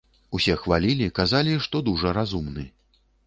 Усе хвалілі, казалі, што дужа разумны.